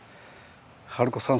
春子さん